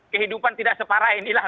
kehidupan tidak separah inilah